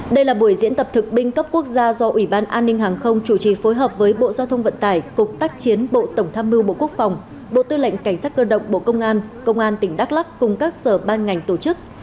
đây là buổi diễn tập thực binh cấp quốc gia do ủy ban an ninh hàng không chủ trì phối hợp với bộ giao thông vận tải cục tác chiến bộ tổng tham mưu bộ quốc phòng bộ tư lệnh cảnh sát cơ động bộ công an công an tỉnh đắk lắc cùng các sở ban ngành tổ chức